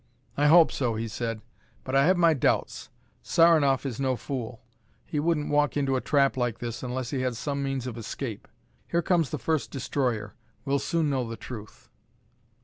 "I hope so," he said, "but I have my doubts. Saranoff is no fool. He wouldn't walk into a trap like this unless he had some means of escape. Here comes the first destroyer. We'll soon know the truth."